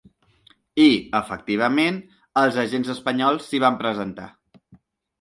I, efectivament, els agents espanyols s’hi van presentar.